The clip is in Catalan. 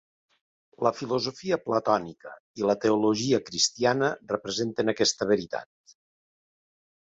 La filosofia platònica i la teologia cristiana representen aquesta veritat.